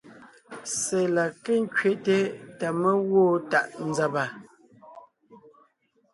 Ssé la ké ńkẅéte ta mé gwoon tàʼ nzàba.